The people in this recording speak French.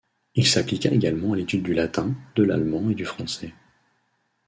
Il s'appliqua également à l'étude du latin, de l'allemand et du français.